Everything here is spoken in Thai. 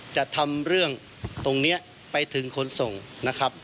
จะทำเรื่องตรงนี้ไปถึงขนส่งนะครับ